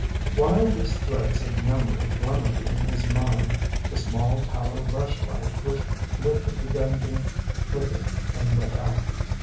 While these threads of memory glimmered in his mind the small tallow rush light which lit the dungeon flickered and went out.